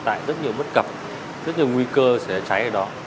tại rất nhiều vấn đề bất cập rất nhiều nguy cơ sẽ cháy ở đó